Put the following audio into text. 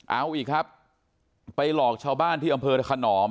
เอาอีกครับไปหลอกชาวบ้านที่อำเภอขนอม